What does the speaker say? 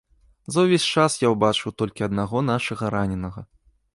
За ўвесь час я ўбачыў толькі аднаго нашага раненага.